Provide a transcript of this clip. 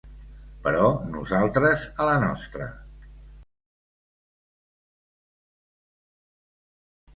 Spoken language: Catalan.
Però nosaltres a la nostra.